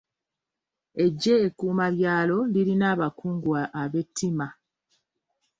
Eggye ekkuumabyalo lirina abakungu ab'ettima.